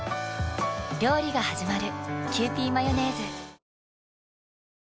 料理がはじまる。